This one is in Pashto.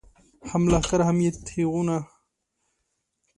هم لښکر هم یی تیغونه، د وطن پر ضد جنگیږی